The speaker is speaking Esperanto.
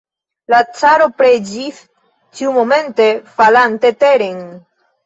La caro preĝis, ĉiumomente falante teren.